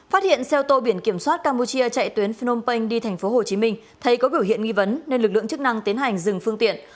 phát hiện xe ô tô biển kiểm soát campuchia chạy tuyến phnom penh đi tp hcm thấy có biểu hiện nghi vấn nên lực lượng chức năng tiến hành dừng phương tiện